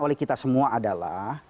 oleh kita semua adalah